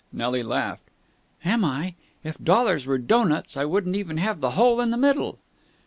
Nelly laughed. "Am I? If dollars were doughnuts, I wouldn't even have the hole in the middle."